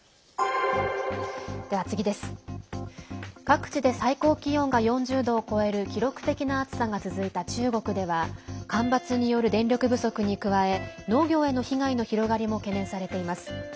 各地で最高気温が４０度を超える記録的な暑さが続いた中国では干ばつによる電力不足に加え農業への被害の広がりも懸念されています。